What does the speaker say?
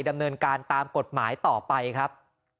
ดำเนินการตามกฎหมายต่อไปครับ